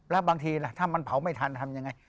แล้วบางทีล่ะถ้ามันเผาไม่ทันทำยังไง